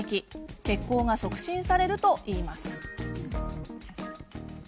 血行が促進されるといいます。